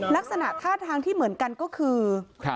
ลักษณะท่าทางที่เหมือนกันก็คือ